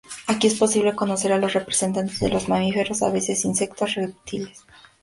Aquí es posible conocer a los representantes de los mamíferos, aves, insectos, reptiles.